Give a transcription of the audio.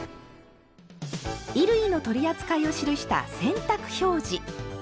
衣類の取り扱いを記した「洗濯表示」。